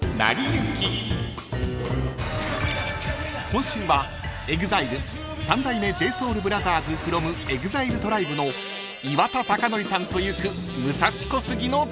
［今週はＥＸＩＬＥ三代目ＪＳＯＵＬＢＲＯＴＨＥＲＳｆｒｏｍＥＸＩＬＥＴＲＩＢＥの岩田剛典さんと行く武蔵小杉の旅］